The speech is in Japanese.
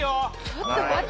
ちょっと待って。